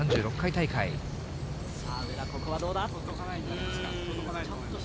さあ上田、ここはどうだ？